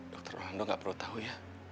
dokter orlando gak perlu tahu ya